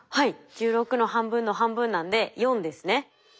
１６の半分の半分なんで４ですね。